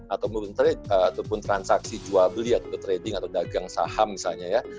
ataupun transaksi jual beli atau trading atau dagang saham misalnya ya